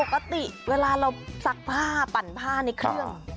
ปกติเวลาเราซักผ้าปั่นผ้าในเครื่อง